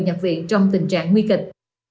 nhập viện trong tình trạng nguy kịch